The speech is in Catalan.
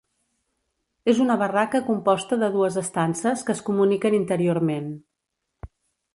És una barraca composta de dues estances que es comuniquen interiorment.